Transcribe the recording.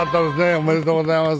おめでとうございます